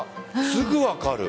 すぐ分かる。